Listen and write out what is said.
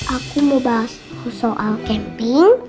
aku mau bahas soal camping